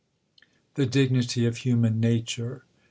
The Dignity of Human Nature.